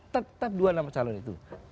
tetap dua nama calon itu